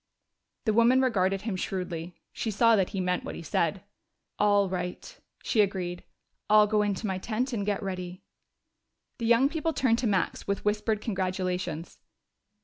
The woman regarded him shrewdly; she saw that he meant what he said. "All right," she agreed. "I'll go into my tent and get ready." The young people turned to Max with whispered congratulations.